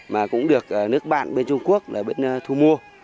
mà cũng được nước bạn bên trung quốc là bên thu mua